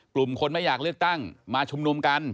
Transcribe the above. กลุ่มคนไม่อยากเลือกตั้งมาชุมนุมกัน